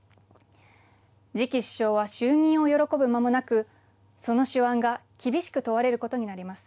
次期首相は就任を喜ぶ間もなくその手腕が厳しく問われることになります。